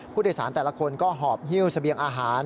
ผู้โดยสารแต่ละคนก็หอบฮิ้วเสบียงอาหาร